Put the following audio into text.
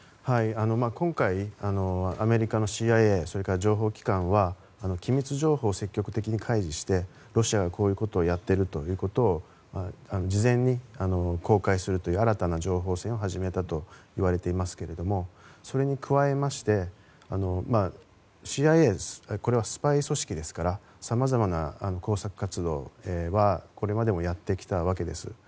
今回、アメリカのＣＩＡそれから情報機関は機密情報を積極的に開示してロシアがこういうことをやっているということを事前に公開するという新たな情報戦を始めたといわれていますがそれに加えましてＣＩＡ、これはスパイ組織ですからさまざまな工作活動はこれまでもやってきたわけです。